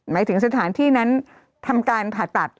หมายถึงสถานที่นั้นทำการผ่าตัด